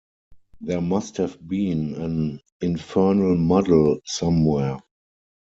There must have been an infernal muddle somewhere.